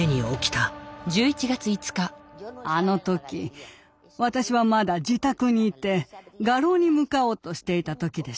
あの時私はまだ自宅に居て画廊に向かおうとしていた時でした。